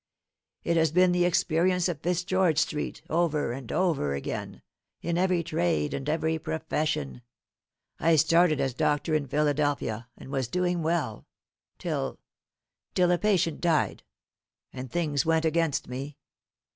It has been the experience of Fitzgeorge street over and over again, in every trade and every profession. I started as doctor in Philadelphia, and was doing well; till till a patient died and things went against me.